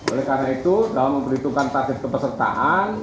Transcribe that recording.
oleh karena itu dalam memperhitungkan tarif kepesertaan